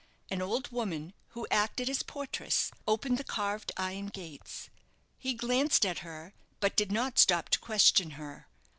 An old woman, who acted as portress, opened the carved iron gates. He glanced at her, but did not stop to question her.